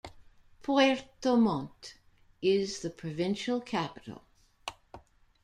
Puerto Montt is the provincial capital.